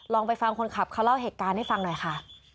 ลองไปฟังคนขับเขาเล่าเหตุการณ์ให้ฟังหน่อยค่ะ